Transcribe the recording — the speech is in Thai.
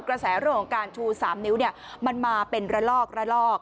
กระแสเรื่องของการชู๓นิ้วมันมาเป็นระลอกระลอก